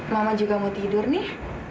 mama juga mau tidur nih